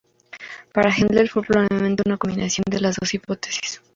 Para Hendler fue probablemente una combinación de las dos hipótesis.